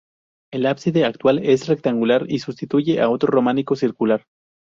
El ábside actual es rectangular y sustituye a otro románico circular.